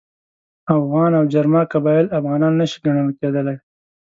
اوغان او جرما قبایل افغانان نه شي ګڼل کېدلای.